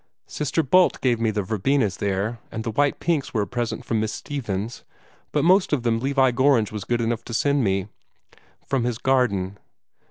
"Sister Bult gave me the verbenas, there, and the white pinks were a present from Miss Stevens. But most of them Levi Gorringe was good enough to send me from his garden."